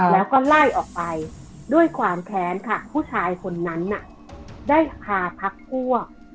แล้วก็ไล่ออกไปด้วยความแค้นค่ะผู้ชายคนนั้นน่ะได้พาพักพวก